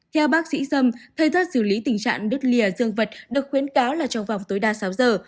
theo bác sĩ sâm thời gian xử lý tình trạng đứt lìa dương vật được khuyến cáo là trong vòng tối đa sáu giờ